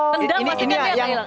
tendang pasti dia